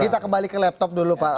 kita kembali ke laptop dulu pak